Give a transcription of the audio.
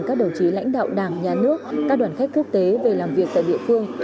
các đồng chí lãnh đạo đảng nhà nước các đoàn khách quốc tế về làm việc tại địa phương